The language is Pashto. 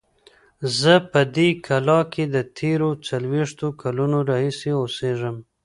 زه په دې کلا کې د تېرو څلوېښتو کلونو راهیسې اوسیږم.